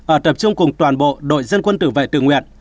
ở tập trung cùng toàn bộ đội dân quân tử vệ tự nguyện